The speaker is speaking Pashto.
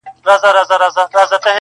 یو خوا وي ستا وصل او بل طرف روژه وي زما-